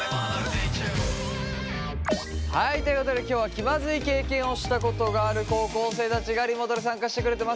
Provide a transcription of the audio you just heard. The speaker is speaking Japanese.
はいということで今日は気まずい経験をしたことがある高校生たちがリモートで参加してくれてます。